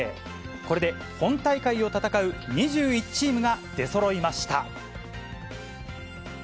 これで本大会を戦う２１チームが出そろいました。